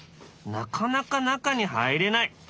なかなか中に入れない。